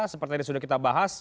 seperti tadi sudah kita bahas